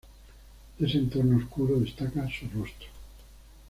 De este entorno oscuro, destaca su rostro.